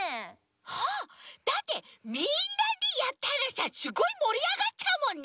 あっだってみんなでやったらさすごいもりあがっちゃうもんね！